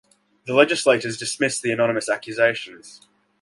The legislators dismissed the anonymous accusations.